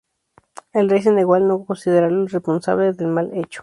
El rey se negó, al no considerarlo el responsable del mal hecho.